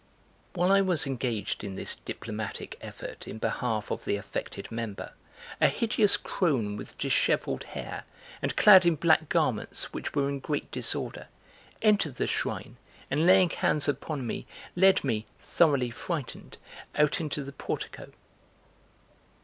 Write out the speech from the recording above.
While I was engaged in this diplomatic effort in behalf of the affected member, a hideous crone with disheveled hair, and clad in black garments which were in great disorder, entered the shrine and, laying hands upon me, led me {thoroughly frightened,} out into the portico.